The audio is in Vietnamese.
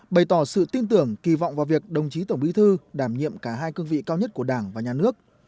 bày tỏ sự tin tưởng kỳ vọng vào việc đồng chí tổng bí thư đảm nhiệm cả hai cương vị cao nhất của đảng và nhà nước